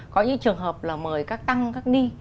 có những trường hợp là mời các tăng các ni